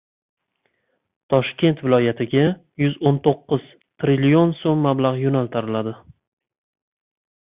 Toshkent viloyatiga yuz o'n to'qqiz trillion so‘m mablag‘ yo‘naltiriladi